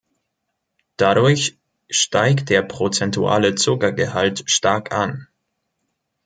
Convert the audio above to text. Dadurch steigt der prozentuale Zuckergehalt stark an.